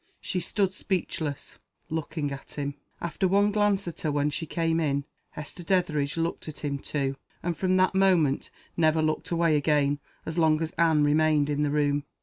She stood speechless, looking at him. After one glance at her, when she came in, Hester Dethridge looked at him, too and from that moment never looked away again, as long as Anne remained in the room.